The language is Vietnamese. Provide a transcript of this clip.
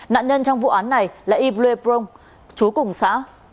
nạn nhân trong vụ án này là ible prong chú cùng xã